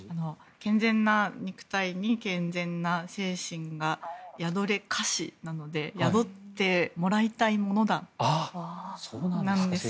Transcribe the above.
健全な肉体に健全な精神が宿れかしなので宿ってもらいたいものだなんですよね。